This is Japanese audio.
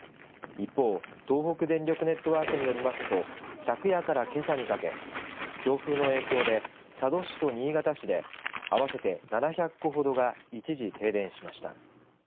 一方、東北電力ネットワークによりますと昨夜から、けさにかけ強風の影響で佐渡市と新潟市で合わせて７００戸ほどが一時、停電しました。